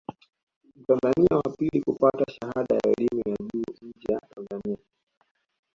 Mtanzania wa pili kupata shahada ya elimu ya juu nje ya Tanzania